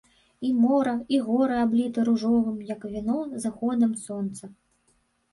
І мора, і горы абліты ружовым, як віно, заходам сонца.